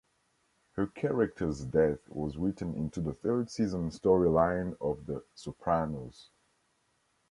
Her character's death was written into the third season story line of "The Sopranos".